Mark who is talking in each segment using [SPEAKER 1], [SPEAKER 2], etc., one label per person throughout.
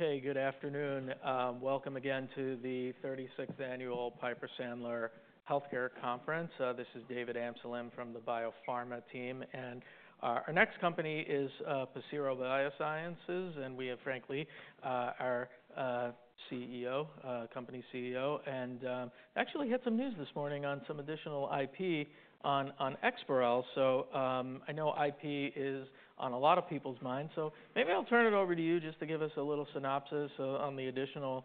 [SPEAKER 1] Okay, good afternoon. Welcome again to the 36th Annual Piper Sandler Healthcare Conference. This is David Amsellem from the Biopharma team, and our next company is Pacira BioSciences, and we have, Frank Lee, our CEO, company CEO, and actually had some news this morning on some additional IP on EXPAREL, so I know IP is on a lot of people's minds, so maybe I'll turn it over to you just to give us a little synopsis on the additional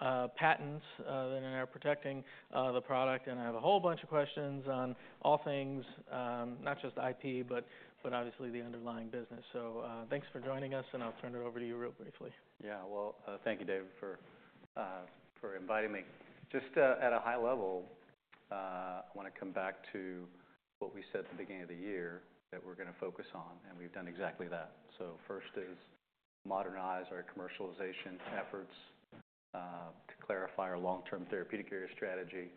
[SPEAKER 1] patents that are protecting the product, and I have a whole bunch of questions on all things, not just IP, but obviously the underlying business, so thanks for joining us, and I'll turn it over to you real briefly.
[SPEAKER 2] Yeah, well, thank you, David, for inviting me. Just at a high level, I want to come back to what we said at the beginning of the year that we're going to focus on, and we've done exactly that. So first is modernize our commercialization efforts to clarify our long-term therapeutic area strategy.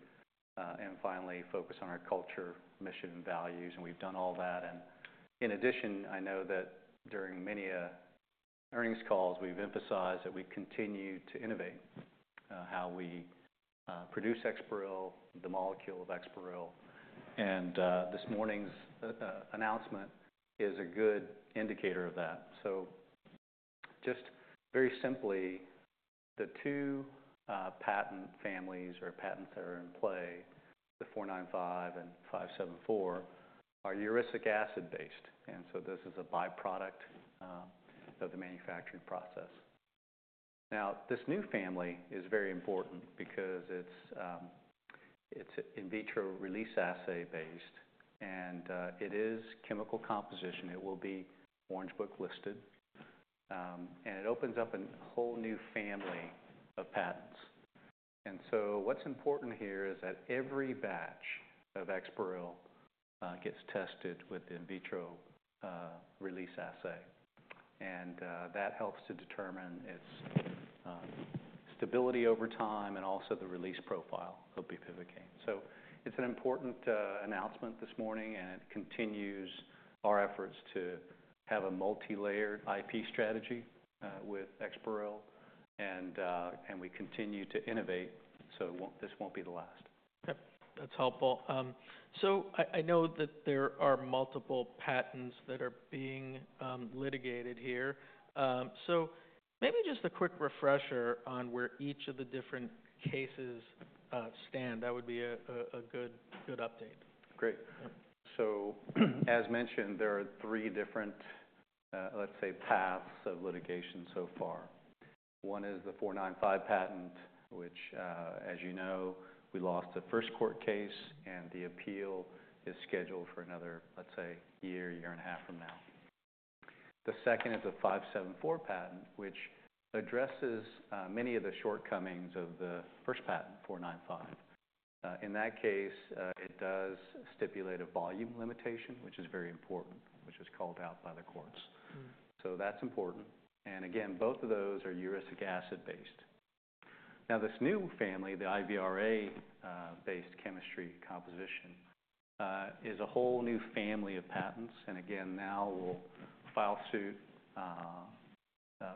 [SPEAKER 2] And finally, focus on our culture, mission, and values. And we've done all that. And in addition, I know that during many earnings calls, we've emphasized that we continue to innovate how we produce EXPAREL, the molecule of EXPAREL. And this morning's announcement is a good indicator of that. So just very simply, the two patent families or patents that are in play, the 495 and 574, are erucic acid-based. And so this is a byproduct of the manufacturing process. Now, this new family is very important because it's in vitro release assay-based, and it is chemical composition. It will be Orange Book listed, and it opens up a whole new family of patents. And so what's important here is that every batch of EXPAREL gets tested with the in vitro release assay. And that helps to determine its stability over time and also the release profile of bupivacaine. So it's an important announcement this morning, and it continues our efforts to have a multi-layered IP strategy with EXPAREL. And we continue to innovate, so this won't be the last.
[SPEAKER 1] That's helpful. So I know that there are multiple patents that are being litigated here. So maybe just a quick refresher on where each of the different cases stand. That would be a good update.
[SPEAKER 2] Great, so as mentioned, there are three different, let's say, paths of litigation so far. One is the 495 patent, which, as you know, we lost the first court case, and the appeal is scheduled for another, let's say, year, year and a half from now. The second is a 574 patent, which addresses many of the shortcomings of the first patent, 495. In that case, it does stipulate a volume limitation, which is very important, which is called out by the courts, so that's important, and again, both of those are erucic acid-based. Now, this new family, the IVRA-based chemistry composition, is a whole new family of patents, and again, now we'll file suit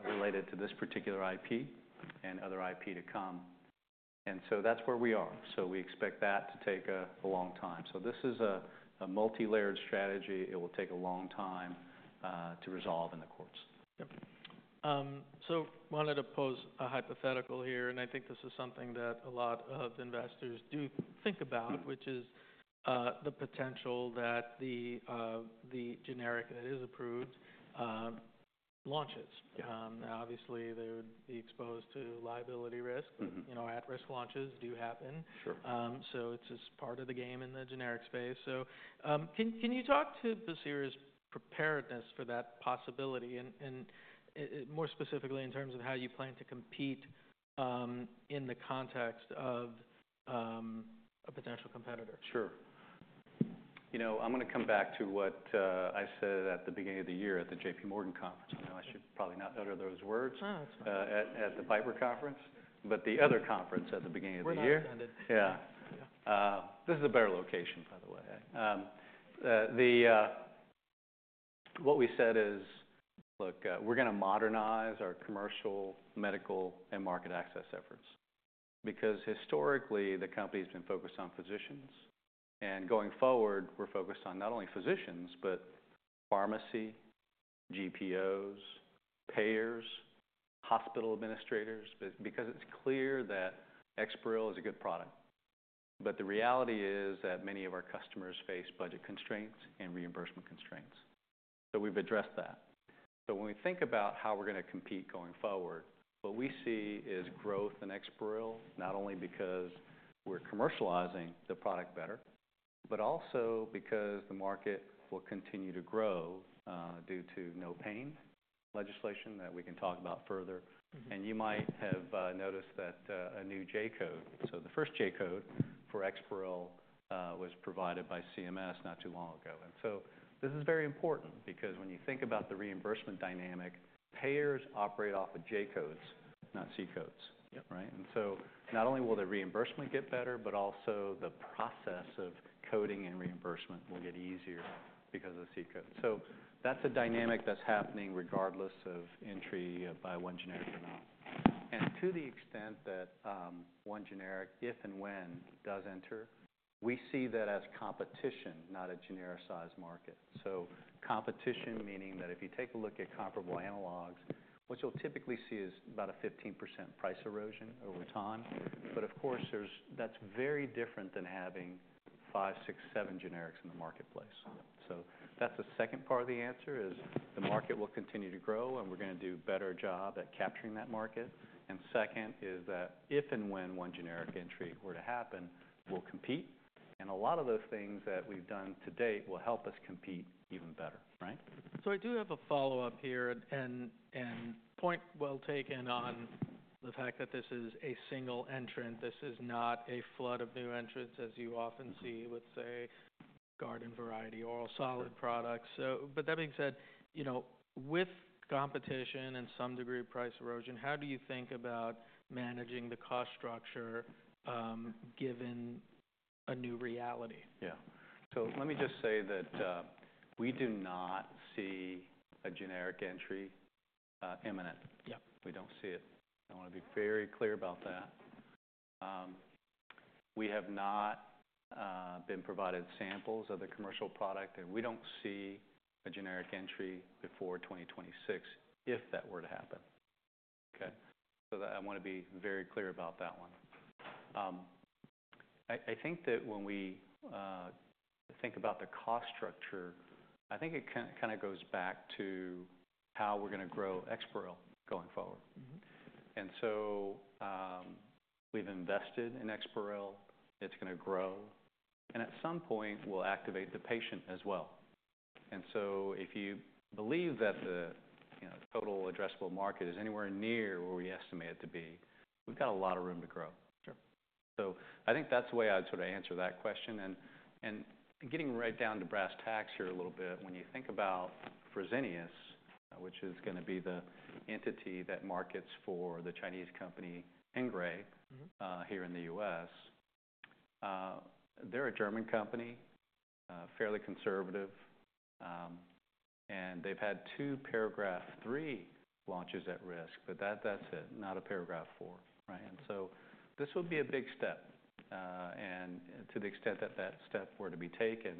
[SPEAKER 2] related to this particular IP and other IP to come, and so that's where we are, so we expect that to take a long time, so this is a multi-layered strategy. It will take a long time to resolve in the courts.
[SPEAKER 1] So I wanted to pose a hypothetical here, and I think this is something that a lot of investors do think about, which is the potential that the generic that is approved launches. Now, obviously, they would be exposed to liability risk. At-risk launches do happen. So it's just part of the game in the generic space. So can you talk to Pacira's preparedness for that possibility, and more specifically in terms of how you plan to compete in the context of a potential competitor?
[SPEAKER 2] Sure. You know, I'm going to come back to what I said at the beginning of the year at the JPMorgan conference. I know I should probably not utter those words at the Piper conference, but the other conference at the beginning of the year.
[SPEAKER 1] Where I attended.
[SPEAKER 2] Yeah. This is a better location, by the way. What we said is, look, we're going to modernize our commercial, medical, and market access efforts because historically, the company has been focused on physicians. And going forward, we're focused on not only physicians, but pharmacy, GPOs, payers, hospital administrators, because it's clear that EXPAREL is a good product. But the reality is that many of our customers face budget constraints and reimbursement constraints. So we've addressed that. So when we think about how we're going to compete going forward, what we see is growth in EXPAREL, not only because we're commercializing the product better, but also because the market will continue to grow due to NOPAIN legislation that we can talk about further. And you might have noticed that a new J-code, so the first J-code for EXPAREL was provided by CMS not too long ago. This is very important because when you think about the reimbursement dynamic, payers operate off of J-codes, not C-codes, right? And so not only will the reimbursement get better, but also the process of coding and reimbursement will get easier because of C-codes. So that's a dynamic that's happening regardless of entry by one generic or not. And to the extent that one generic, if and when it does enter, we see that as competition, not a genericized market. So competition, meaning that if you take a look at comparable analogs, what you'll typically see is about a 15% price erosion over time. But of course, that's very different than having five, six, seven generics in the marketplace. So that's the second part of the answer is the market will continue to grow, and we're going to do a better job at capturing that market. Second is that if and when one generic entry were to happen, we'll compete. A lot of those things that we've done to date will help us compete even better, right?
[SPEAKER 1] So I do have a follow-up here, and point well taken on the fact that this is a single entrant. This is not a flood of new entrants, as you often see with, say, garden variety or solid products. But that being said, with competition and some degree of price erosion, how do you think about managing the cost structure given a new reality?
[SPEAKER 2] Yeah. So let me just say that we do not see a generic entry imminent. We don't see it. I want to be very clear about that. We have not been provided samples of the commercial product, and we don't see a generic entry before 2026 if that were to happen. Okay? So I want to be very clear about that one. I think that when we think about the cost structure, I think it kind of goes back to how we're going to grow EXPAREL going forward. And so we've invested in EXPAREL. It's going to grow. And at some point, we'll activate the patient as well. And so if you believe that the total addressable market is anywhere near where we estimate it to be, we've got a lot of room to grow. So I think that's the way I'd sort of answer that question. Getting right down to brass tacks here a little bit, when you think about Fresenius, which is going to be the entity that markets for the Chinese company Hengrui here in the U.S. They're a German company, fairly conservative, and they've had two Paragraph III launches at risk, but that's it, not a Paragraph IV, right? And so this would be a big step. And to the extent that that step were to be taken,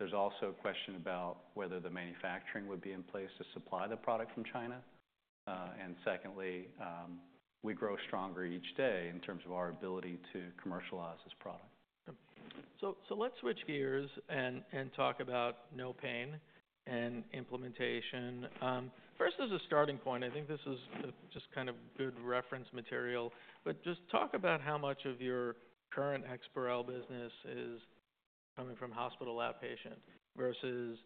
[SPEAKER 2] there's also a question about whether the manufacturing would be in place to supply the product from China. And secondly, we grow stronger each day in terms of our ability to commercialize this product.
[SPEAKER 1] So let's switch gears and talk about NOPAIN and implementation. First, as a starting point, I think this is just kind of good reference material, but just talk about how much of your current EXPAREL business is coming from hospital outpatient versus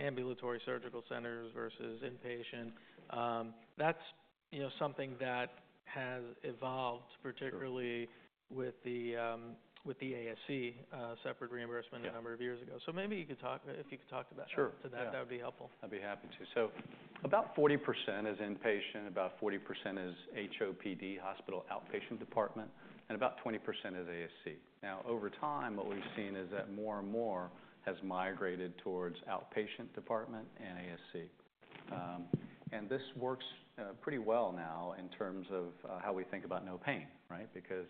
[SPEAKER 1] ambulatory surgical centers versus inpatient. That's something that has evolved, particularly with the ASC, separate reimbursement a number of years ago. So maybe you could talk, if you could talk about that, that would be helpful.
[SPEAKER 2] I'd be happy to. So about 40% is inpatient, about 40% is HOPD, hospital outpatient department, and about 20% is ASC. Now, over time, what we've seen is that more and more has migrated towards outpatient department and ASC. And this works pretty well now in terms of how we think about NOPAIN, right? Because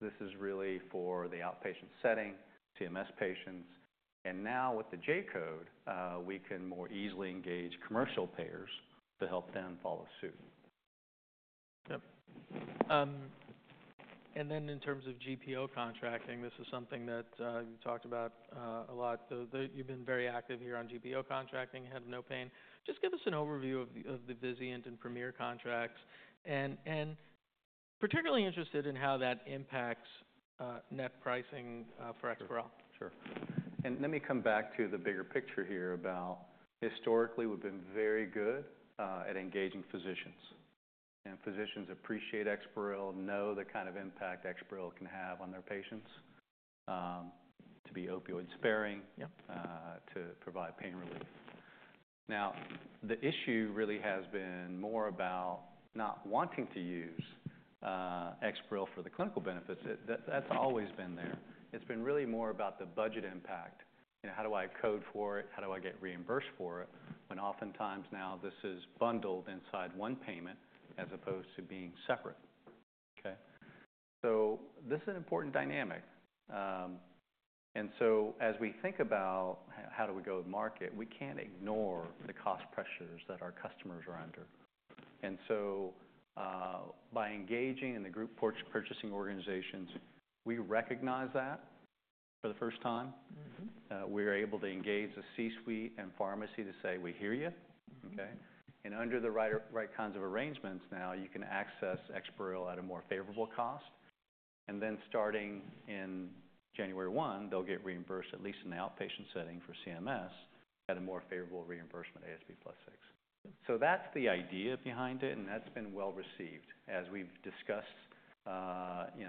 [SPEAKER 2] this is really for the outpatient setting, CMS patients. And now with the J-code, we can more easily engage commercial payers to help them follow suit.
[SPEAKER 1] Yep. And then in terms of GPO contracting, this is something that you talked about a lot. You've been very active here on GPO contracting, head of NOPAIN. Just give us an overview of the Vizient and Premier contracts. And particularly interested in how that impacts net pricing for EXPAREL.
[SPEAKER 2] Sure. And let me come back to the bigger picture here about historically, we've been very good at engaging physicians. And physicians appreciate EXPAREL, know the kind of impact EXPAREL can have on their patients to be opioid sparing, to provide pain relief. Now, the issue really has been more about not wanting to use EXPAREL for the clinical benefits. That's always been there. It's been really more about the budget impact. How do I code for it? How do I get reimbursed for it? When oftentimes now this is bundled inside one payment as opposed to being separate. Okay? So this is an important dynamic. And so as we think about how do we go to market, we can't ignore the cost pressures that our customers are under. And so by engaging in the group purchasing organizations, we recognize that for the first time. We are able to engage the C-suite and pharmacy to say, "We hear you." Okay? And under the right kinds of arrangements now, you can access EXPAREL at a more favorable cost. And then starting in January 1, they'll get reimbursed at least in the outpatient setting for CMS at a more favorable reimbursement, ASP+6. So that's the idea behind it, and that's been well received as we've discussed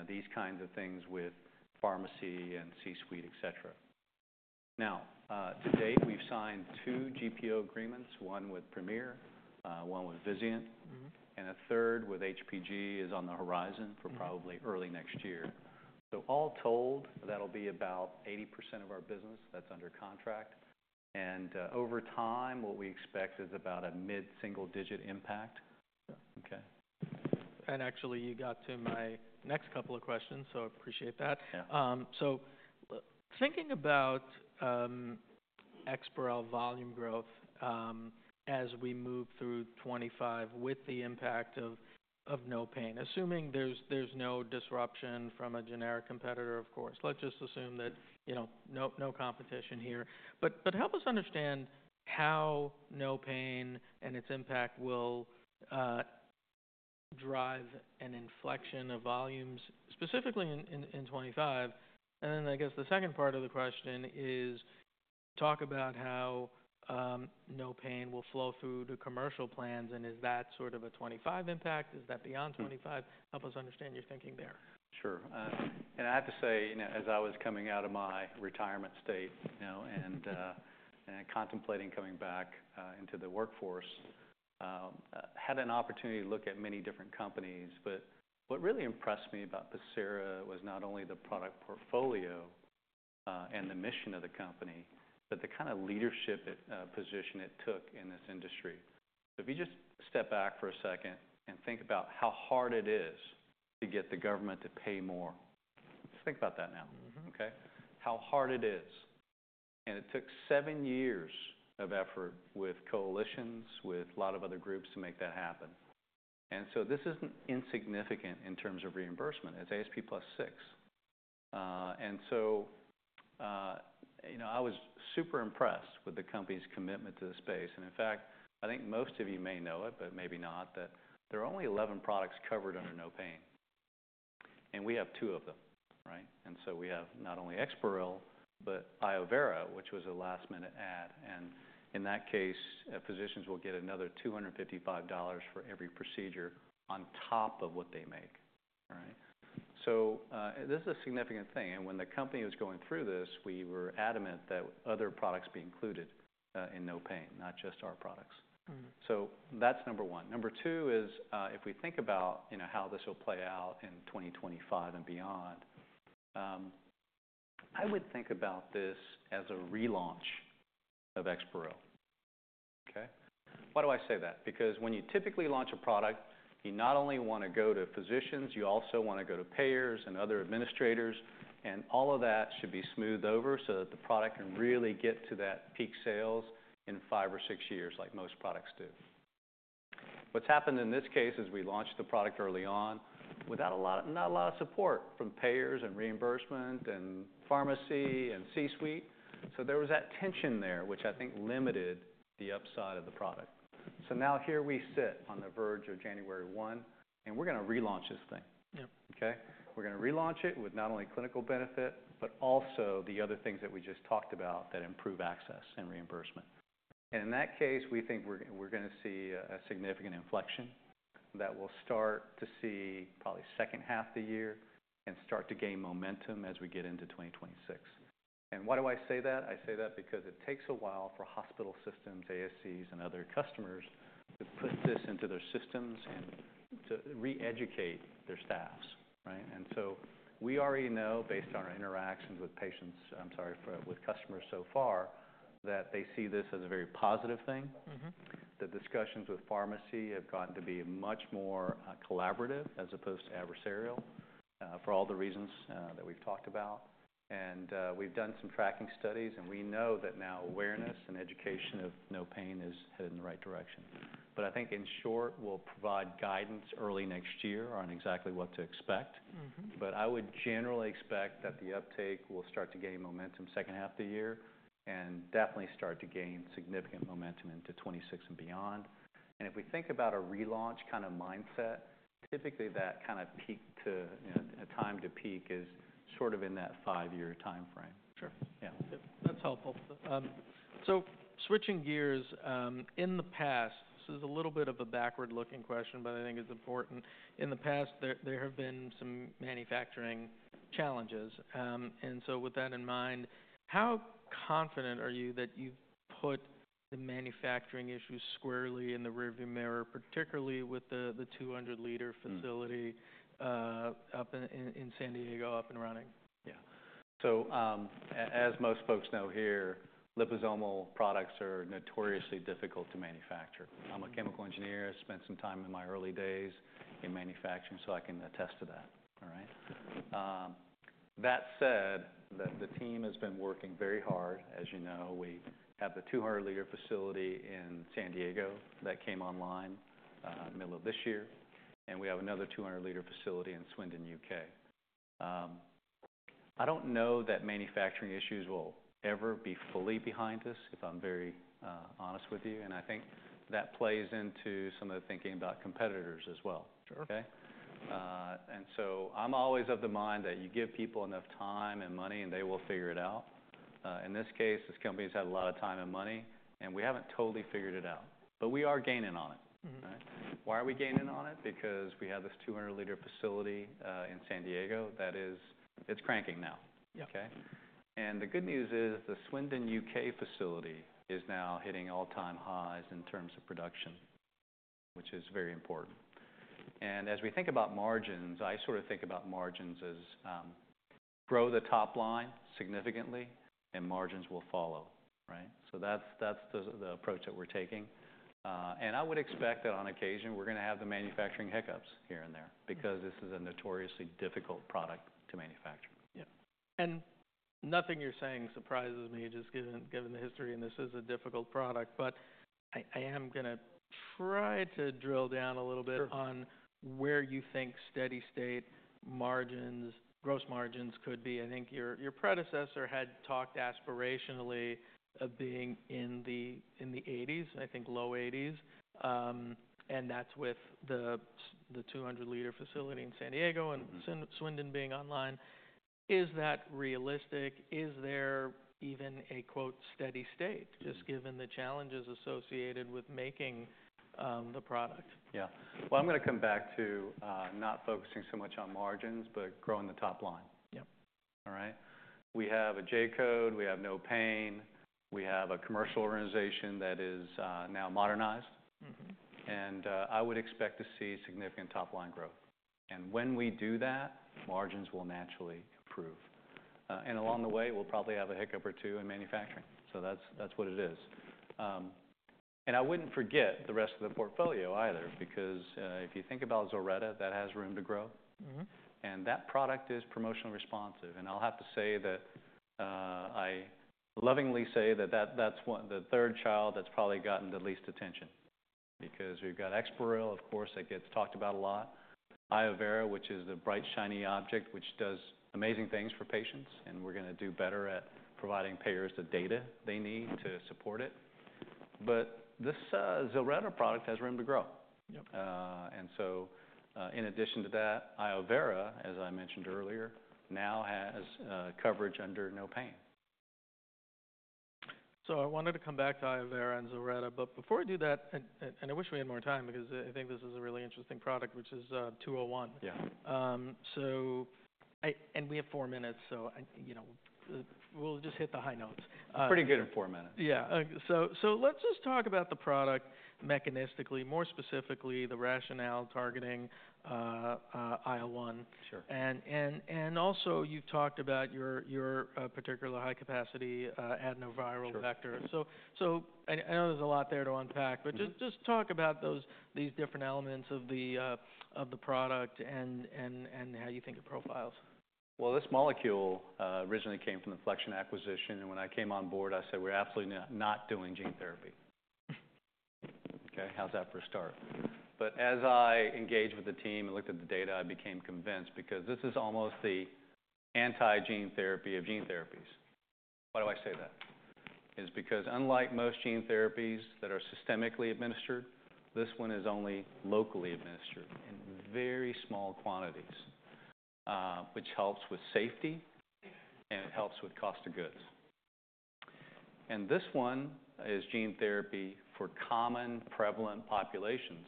[SPEAKER 2] these kinds of things with pharmacy and C-suite, etc. Now, to date, we've signed two GPO agreements, one with Premier, one with Vizient, and a third with HPG is on the horizon for probably early next year. So all told, that'll be about 80% of our business that's under contract. And over time, what we expect is about a mid-single digit impact. Okay?
[SPEAKER 1] Actually, you got to my next couple of questions, so I appreciate that. So thinking about EXPAREL volume growth as we move through 2025 with the impact of NOPAIN, assuming there's no disruption from a generic competitor, of course, let's just assume that no competition here. But help us understand how NOPAIN and its impact will drive an inflection of volumes, specifically in 2025. And then I guess the second part of the question is talk about how NOPAIN will flow through to commercial plans. And is that sort of a 2025 impact? Is that beyond 2025? Help us understand your thinking there.
[SPEAKER 2] Sure. And I have to say, as I was coming out of my retirement state and contemplating coming back into the workforce, I had an opportunity to look at many different companies. But what really impressed me about Pacira was not only the product portfolio and the mission of the company, but the kind of leadership position it took in this industry. So if you just step back for a second and think about how hard it is to get the government to pay more. Just think about that now. Okay? How hard it is. And it took seven years of effort with coalitions, with a lot of other groups to make that happen. And so this isn't insignificant in terms of reimbursement. It's ASP plus six. And so I was super impressed with the company's commitment to the space. In fact, I think most of you may know it, but maybe not, that there are only 11 products covered under NOPAIN. And we have two of them, right? And so we have not only EXPAREL, but iovera, which was a last-minute add. And in that case, physicians will get another $255 for every procedure on top of what they make, right? So this is a significant thing. And when the company was going through this, we were adamant that other products be included in NOPAIN, not just our products. So that's number one. Number two is if we think about how this will play out in 2025 and beyond, I would think about this as a relaunch of EXPAREL. Okay? Why do I say that? Because when you typically launch a product, you not only want to go to physicians, you also want to go to payers and other administrators, and all of that should be smoothed over so that the product can really get to that peak sales in five or six years like most products do. What's happened in this case is we launched the product early on without a lot of support from payers and reimbursement and pharmacy and C-suite, so there was that tension there, which I think limited the upside of the product, so now here we sit on the verge of January 1, and we're going to relaunch this thing. Okay? We're going to relaunch it with not only clinical benefit, but also the other things that we just talked about that improve access and reimbursement. And in that case, we think we're going to see a significant inflection that we'll start to see probably second half of the year and start to gain momentum as we get into 2026. And why do I say that? I say that because it takes a while for hospital systems, ASCs, and other customers to put this into their systems and to re-educate their staffs, right? And so we already know based on our interactions with patients, I'm sorry, with customers so far that they see this as a very positive thing. The discussions with pharmacy have gotten to be much more collaborative as opposed to adversarial for all the reasons that we've talked about. And we've done some tracking studies, and we know that now awareness and education of NOPAIN is headed in the right direction. But I think in short, we'll provide guidance early next year on exactly what to expect. But I would generally expect that the uptake will start to gain momentum second half of the year and definitely start to gain significant momentum into 2026 and beyond. And if we think about a relaunch kind of mindset, typically that kind of peak to a time to peak is sort of in that five-year timeframe.
[SPEAKER 1] Sure. Yeah. That's helpful. So switching gears, in the past, this is a little bit of a backward-looking question, but I think it's important. In the past, there have been some manufacturing challenges. And so with that in mind, how confident are you that you've put the manufacturing issues squarely in the rearview mirror, particularly with the 200-liter facility up in San Diego up and running?
[SPEAKER 2] Yeah, so as most folks know here, liposomal products are notoriously difficult to manufacture. I'm a chemical engineer. I spent some time in my early days in manufacturing, so I can attest to that, all right? That said, the team has been working very hard. As you know, we have the 200-liter facility in San Diego that came online middle of this year, and we have another 200-liter facility in Swindon, U.K. I don't know that manufacturing issues will ever be fully behind us, if I'm very honest with you, and I think that plays into some of the thinking about competitors as well, okay, and so I'm always of the mind that you give people enough time and money, and they will figure it out. In this case, this company has had a lot of time and money, and we haven't totally figured it out. But we are gaining on it, right? Why are we gaining on it? Because we have this 200-liter facility in San Diego that is, it's cranking now. Okay? And the good news is the Swindon, U.K. facility is now hitting all-time highs in terms of production, which is very important. And as we think about margins, I sort of think about margins as, grow the top line significantly, and margins will follow, right? So that's the approach that we're taking. And I would expect that on occasion, we're going to have the manufacturing hiccups here and there because this is a notoriously difficult product to manufacture.
[SPEAKER 1] Yeah. And nothing you're saying surprises me, just given the history, and this is a difficult product. But I am going to try to drill down a little bit on where you think steady-state margins, gross margins could be. I think your predecessor had talked aspirationally of being in the $80 millions, I think low $80 millions. And that's with the 200-liter facility in San Diego and Swindon being online. Is that realistic? Is there even a "steady state" just given the challenges associated with making the product?
[SPEAKER 2] Yeah. Well, I'm going to come back to not focusing so much on margins, but growing the top line. All right? We have a J-code. We have NOPAIN. We have a commercial organization that is now modernized. And I would expect to see significant top line growth. And when we do that, margins will naturally improve. And along the way, we'll probably have a hiccup or two in manufacturing. So that's what it is. And I wouldn't forget the rest of the portfolio either because if you think about ZILRETTA, that has room to grow. And that product is promotionally responsive. And I'll have to say that I lovingly say that that's the third child that's probably gotten the least attention because we've got EXPAREL, of course, that gets talked about a lot. iovera, which is the bright, shiny object, which does amazing things for patients. And we're going to do better at providing payers the data they need to support it. But this ZILRETTA product has room to grow. And so in addition to that, iovera, as I mentioned earlier, now has coverage under NOPAIN.
[SPEAKER 1] I wanted to come back to iovera and ZILRETTA. Before I do that, I wish we had more time because I think this is a really interesting product, which is 201. We have four minutes, so we'll just hit the high notes.
[SPEAKER 2] Pretty good in four minutes.
[SPEAKER 1] Yeah. So let's just talk about the product mechanistically, more specifically the rationale targeting IL-1. And also you've talked about your particular high-capacity adenoviral vector. So I know there's a lot there to unpack, but just talk about these different elements of the product and how you think it profiles.
[SPEAKER 2] This molecule originally came from the Flexion Therapeutics acquisition. And when I came on board, I said, "We're absolutely not doing gene therapy." Okay? How's that for a start? But as I engaged with the team and looked at the data, I became convinced because this is almost the anti-gene therapy of gene therapies. Why do I say that? It's because unlike most gene therapies that are systemically administered, this one is only locally administered in very small quantities, which helps with safety and helps with cost of goods. And this one is gene therapy for common prevalent populations,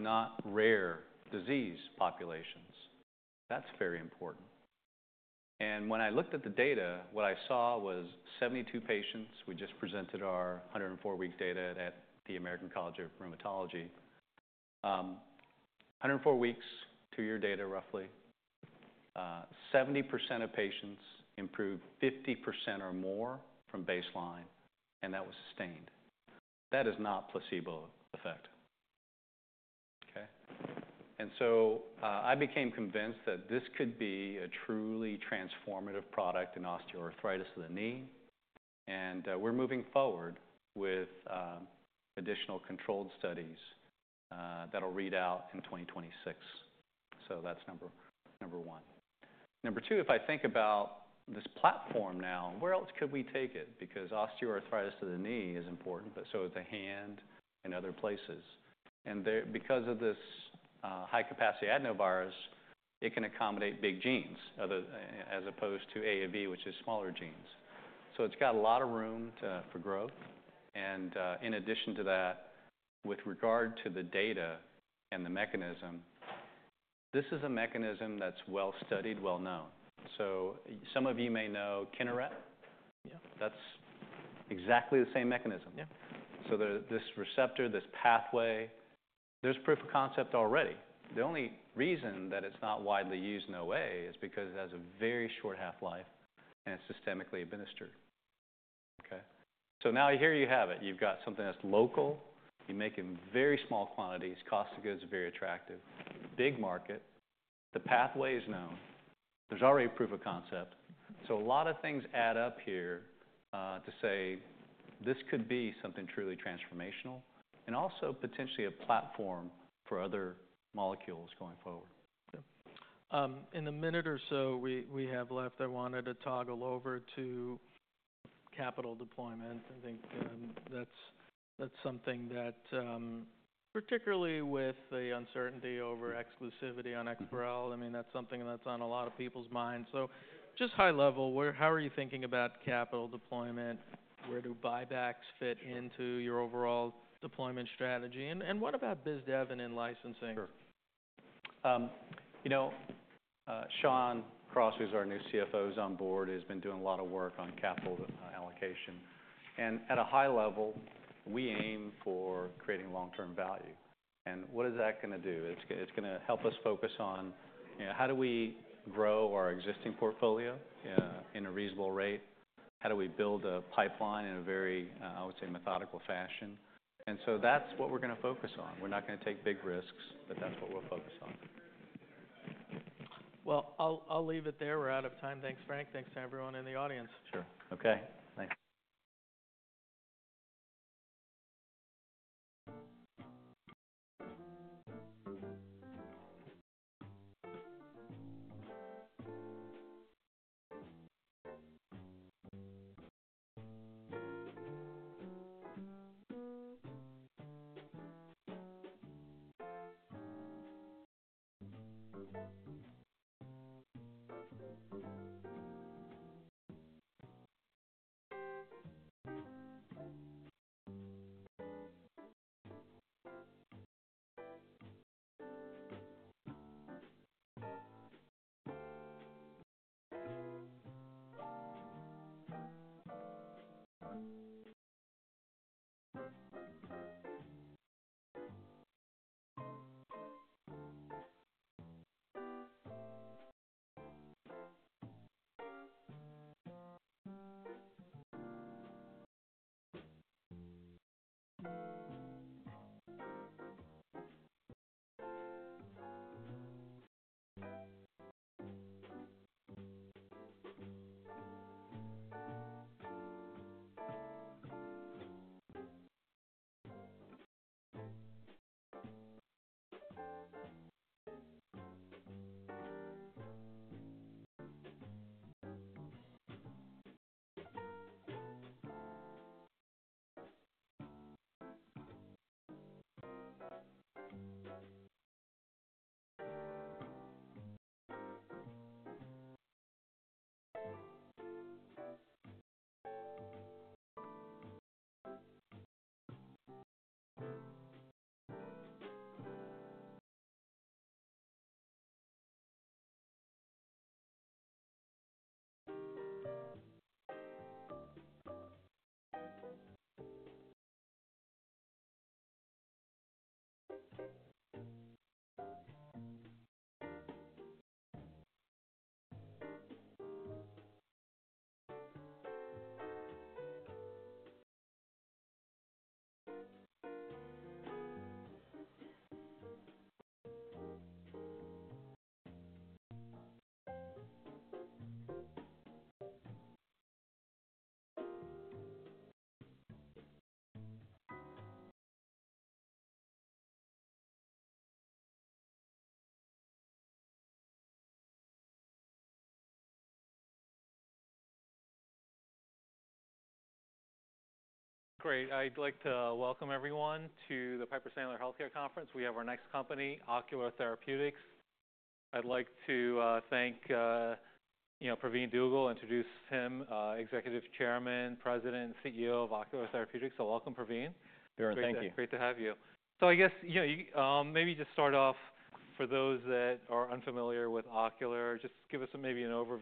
[SPEAKER 2] not rare disease populations. That's very important. And when I looked at the data, what I saw was 72 patients. We just presented our 104-week data at the American College of Rheumatology. 104 weeks, two-year data roughly, 70% of patients improved 50% or more from baseline, and that was sustained. That is not placebo effect. Okay? And so I became convinced that this could be a truly transformative product in osteoarthritis of the knee. And we're moving forward with additional controlled studies that'll read out in 2026. So that's number one. Number two, if I think about this platform now, where else could we take it? Because osteoarthritis of the knee is important, but so is the hand and other places. And because of this high-capacity adenovirus, it can accommodate big genes as opposed to AAV, which is smaller genes. So it's got a lot of room for growth. And in addition to that, with regard to the data and the mechanism, this is a mechanism that's well-studied, well-known. So some of you may know Kineret. That's exactly the same mechanism. So this receptor, this pathway, there's proof of concept already. The only reason that it's not widely used in OA is because it has a very short half-life and it's systemically administered. Okay? So now here you have it. You've got something that's local. You make in very small quantities. Cost of goods is very attractive. Big market. The pathway is known. There's already proof of concept. So a lot of things add up here to say this could be something truly transformational and also potentially a platform for other molecules going forward.
[SPEAKER 1] Yeah. In the minute or so we have left, I wanted to toggle over to capital deployment. I think that's something that particularly with the uncertainty over exclusivity on EXPAREL, I mean, that's something that's on a lot of people's minds, so just high level, how are you thinking about capital deployment? Where do buybacks fit into your overall deployment strategy, and what about biz dev and in licensing?
[SPEAKER 2] Sure. You know, Shawn Cross, who's our new CFO, is on board. He's been doing a lot of work on capital allocation. And at a high level, we aim for creating long-term value. And what is that going to do? It's going to help us focus on how do we grow our existing portfolio in a reasonable rate? How do we build a pipeline in a very, I would say, methodical fashion? And so that's what we're going to focus on. We're not going to take big risks, but that's what we'll focus on.
[SPEAKER 1] I'll leave it there. We're out of time. Thanks, Frank. Thanks to everyone in the audience.
[SPEAKER 2] Sure. Okay. Thanks.
[SPEAKER 1] Great. I'd like to welcome everyone to the Piper Sandler Healthcare Conference. We have our next company, Ocular Therapeutix. I'd like to thank Pravin Dugel, introduce him, Executive Chairman, President, CEO of Ocular Therapeutix. So welcome, Pravin.
[SPEAKER 3] Very nice. Thank you.
[SPEAKER 1] Great to have you. So I guess maybe just start off, for those that are unfamiliar with Ocular, just give us maybe an overview.